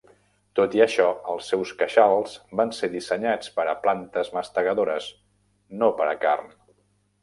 Tot i això, els seus queixals van ser dissenyats per a plantes mastegadores, no per a carn.